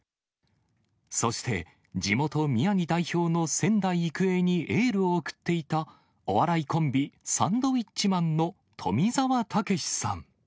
そして地元、宮城代表の仙台育英にエールを送っていた、お笑いコンビ、サンドウィッチマンの富澤たけしさん。